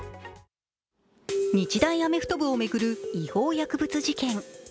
日大アメフト部を巡る違法薬物事件。